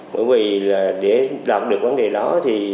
bởi vì là để đạt được vấn đề đó thì